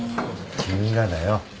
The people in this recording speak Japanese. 君がだよ。